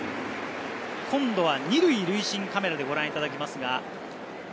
今度は２塁塁審カメラでご覧いただきます。